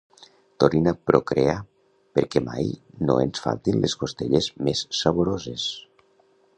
Tornin a procrear, perquè mai no ens faltin les costelles més saboroses.